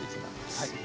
はい。